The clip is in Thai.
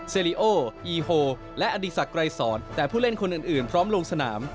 ลิโออีโฮและอดีศักดรายสอนแต่ผู้เล่นคนอื่นพร้อมลงสนาม